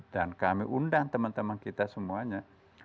dan kami undang teman teman kita semuanya